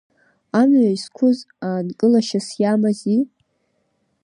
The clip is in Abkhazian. Амҩа изқәыз аанкылашьас иамази?